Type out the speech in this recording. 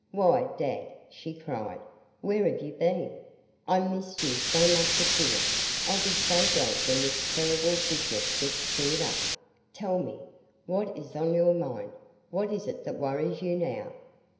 "Why, Dad," she cried, "where have you been? I missed you so much at dinner. I'll be so glad when this terrible business gets cleared up. Tell me. What is on your mind? What is it that worries you now?"